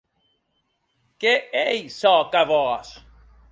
Qué ei çò que vòs?